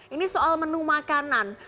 ini soal menu makanan